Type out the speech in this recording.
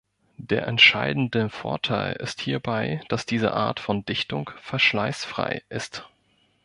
Der entscheidende Vorteil ist hierbei, dass diese Art von Dichtung verschleißfrei ist.